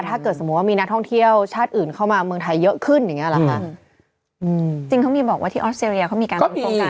ถ้าเกิดห้องเที่ยวชาติอื่นเข้ามาเมืองไทยเยอะขึ้นอย่างนี้หรอฮะ